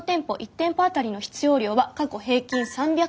店舗当たりの必要量は過去平均３００個。